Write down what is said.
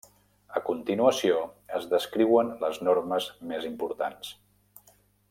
A continuació es descriuen les normes més importants.